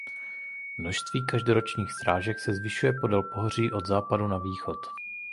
Množství každoročních srážek se zvyšuje podél pohoří od západu na východ.